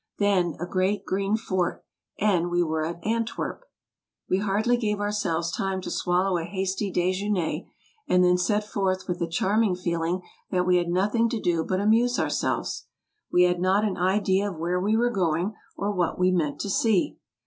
Then a great green fort, and we were at Antwerp. We hardly gave ourselves time to swallow a hasty dejeuner, and then set forth with the charming feeling that we had nothing to do but amuse ourselves. We had not an idea of where we were going, or what we meant to see.